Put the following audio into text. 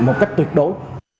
một cách tuyệt đối